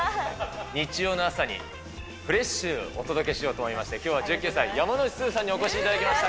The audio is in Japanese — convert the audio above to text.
日曜の朝にフレッシュにお届けしようとしまして、きょうは１９歳、山之内すずさんにお越しいただきました。